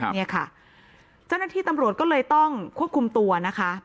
เนี่ยค่ะเจ้าหน้าที่ตำรวจก็เลยต้องควบคุมตัวนะคะ